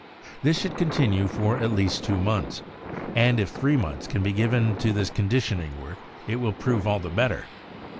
This should continue for at least two months; and if three months can be given to this conditioning work, it will prove all the better.